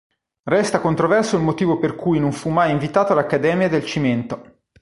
Resta controverso il motivo per cui non fu mai invitato all'Accademia del Cimento.